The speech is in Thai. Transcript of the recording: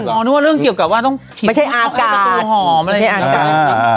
นึกว่าเรื่องเกี่ยวกับว่าต้องไม่ใช่อาการหอมอะไรอย่างนี้อากาศ